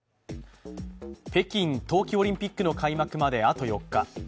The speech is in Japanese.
北京冬季オリンピックの開幕まであと４日。